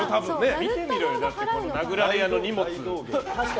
見てみろよ、だってこの殴られ屋の荷物。